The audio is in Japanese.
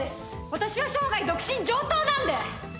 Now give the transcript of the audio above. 私は生涯独身上等なんで！